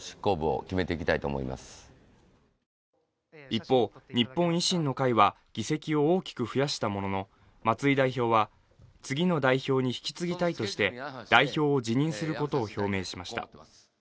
一方日本維新の会は議席を大きく増やしたものの松井代表は次の代表に引き継ぎたいとして代表を辞任することを表明しました